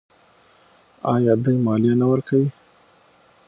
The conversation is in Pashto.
آیا دوی مالیه نه ورکوي؟